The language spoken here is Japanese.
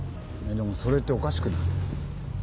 でもそれっておかしくない？